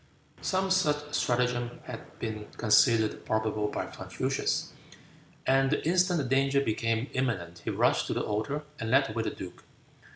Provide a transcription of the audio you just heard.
Some such stratagem had been considered probable by Confucius, and the instant the danger became imminent he rushed to the altar and led away the duke.